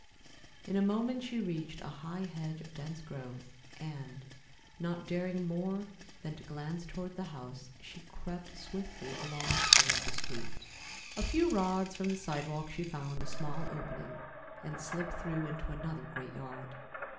In a moment she reached a high hedge of dense growth, and, not daring more than to glance toward the house, she crept swiftly along toward the street. A few rods from the sidewalk she found a small opening and slipped through into another great yard.